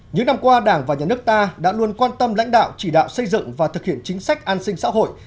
những năm qua đảng và nhà nước ta đã luôn quan tâm lãnh đạo chỉ đạo xây dựng và thực hiện chính sách an sinh xã hội